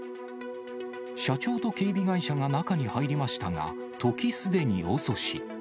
社長と警備会社が中に入りましたが、時すでに遅し。